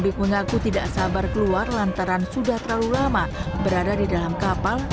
sehingga kembali ke pulau jawa timur sehingga tempat tempatuding dari kapal